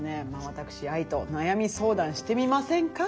私ＡＩと悩み相談してみませんか？